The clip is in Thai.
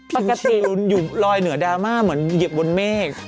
ประกัติอยู่รอยเหนือดามาเหมือนเหยียบบนเมฆ